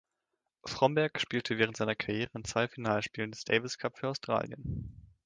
Fromberg spielte während seiner Karriere in zwei Finalspielen des Davis Cup für Australien.